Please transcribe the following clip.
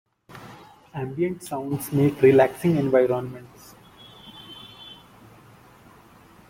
Ambient sounds make relaxing environments.